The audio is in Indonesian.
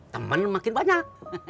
temen makin banyak